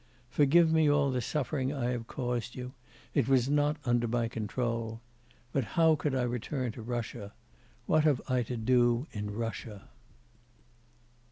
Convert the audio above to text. Forgive me all the suffering I have caused you; it was not under my control. But how could I return to Russia; What have I to do in Russia?